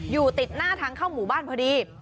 อยู่ติดหน้าทางเข้าหมู่บ้านพอดี